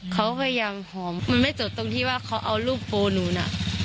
เขาพยายามหอมมันไม่จบตรงที่ว่าเขาเอารูปโปรหนูน่ะ